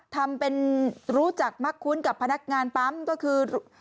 ทำเป็นรู้จักมักคุ้นกับพนักงานปั๊มก็คือ